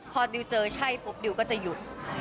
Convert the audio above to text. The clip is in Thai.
พอดิวเจอใช่ปุ๊บดิวก็จะหยุด